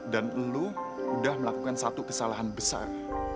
dan lo udah melakukan satu kesalahan besar